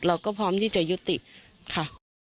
เราก็พร้อมที่จะยุติค่ะ